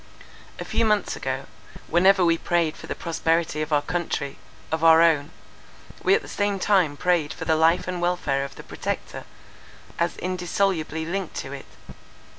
A few months ago, whenever we prayed for the prosperity of our country, or our own, we at the same time prayed for the life and welfare of the Protector, as indissolubly linked to it.